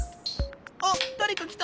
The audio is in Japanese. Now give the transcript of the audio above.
あっだれかきた。